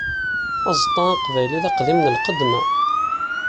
Aẓeṭṭa aqbayli d aqdim n lqedma.